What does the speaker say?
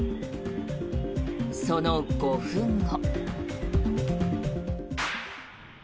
その５分後。